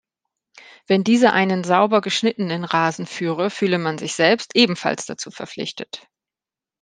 Wenn dieser einen sauber geschnittenen Rasen führe, fühle man sich selbst ebenfalls dazu verpflichtet.